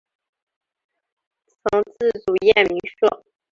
曾自组燕鸣社。